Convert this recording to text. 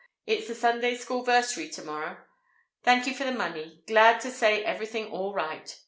Its the Sunday School versary tomorror. Thank you for the money. glad to say everything all rite.